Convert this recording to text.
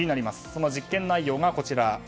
その実験内容が、こちら。